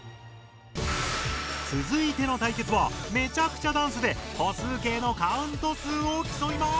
つづいての対決はめちゃくちゃダンスで歩数計のカウント数を競います！